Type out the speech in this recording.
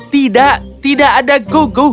tidak tidak ada hugo